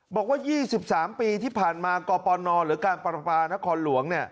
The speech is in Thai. บอกว่า๒๓ปีที่ผ่านมากปนหรือการประปานครหลวง